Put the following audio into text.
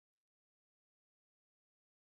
ته څه کوې چې ګڼ ګڼ کېږې؟!